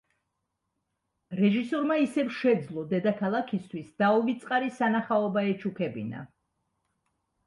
რეჟისორმა ისევ შეძლო დედაქალაქისთვის დაუვიწყარი სანახაობა ეჩუქებინა.